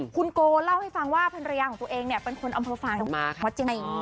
คุณโกเล่าให้ฟังว่าภรรยาของตัวเองเนี่ยเป็นคนอำเภอฟางวัดเจดี